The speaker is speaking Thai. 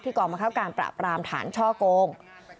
ที่ก่อมระโค้นการปรับรามฐานช่อโกง